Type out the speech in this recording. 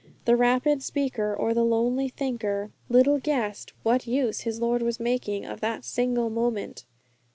The rapid speaker or the lonely thinker little guessed what use his Lord was making of that single moment.